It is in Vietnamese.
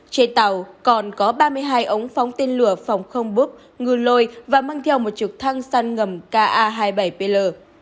trên tàu còn có ba mươi hai ống phóng tên lửa phòng không búp ngư lô lôi và mang theo một trực thăng săn ngầm ca hai mươi bảy pl